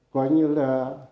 coi như là